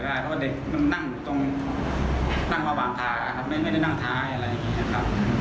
เพราะว่าเด็กมันนั่งอยู่ตรงนั่งระหว่างทางครับไม่ได้นั่งท้ายอะไรอย่างนี้นะครับ